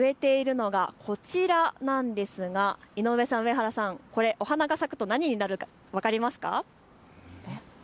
今、植えているのがこちらなんですが、井上さん、上原さん、花が咲くと何になるか分かりますか。